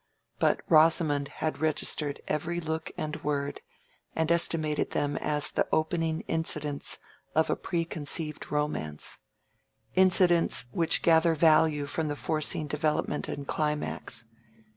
But Rosamond had registered every look and word, and estimated them as the opening incidents of a preconceived romance—incidents which gather value from the foreseen development and climax.